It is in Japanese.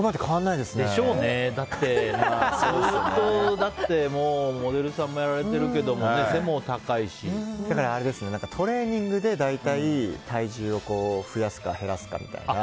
でしょうね、だって相当モデルさんもやられてるけどトレーニングで、大体体重を増やすか減らすかみたいな。